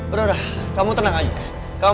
udah udah kamu tenang aja